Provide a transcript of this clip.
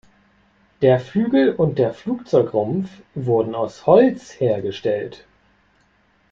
Der Flügel und der Flugzeugrumpf wurden aus Holz hergestellt.